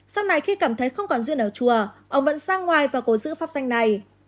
sau này khi cảm thấy không còn duyên ở chùa ông vẫn sang ngoài và cố giữ pháp danh này